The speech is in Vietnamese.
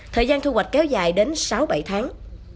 thời gian thu hoạch kéo dài đến sáu bảy tháng